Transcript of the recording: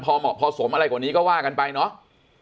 พอสมอะไรกว่านี้ก็ว่ากันไปเนาะ